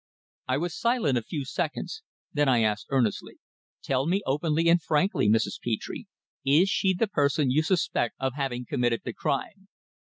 I was silent a few seconds. Then I asked earnestly: "Tell me openly and frankly, Mrs. Petre. Is she the person you suspect of having committed the crime?"